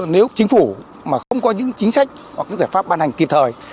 nếu chính phủ mà không có những chính sách hoặc những giải pháp ban hành kịp thời